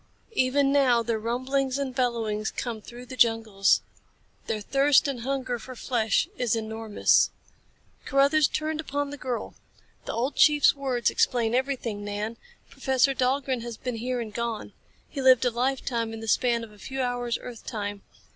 Even now their rumblings and bellowings come through the jungles. Their thirst and hunger for flesh is enormous." Carruthers turned upon the girl. "The old chief's words explain everything, Nan. Professor Dahlgren has been here and gone. He lived a lifetime in the span of a few hours earth time.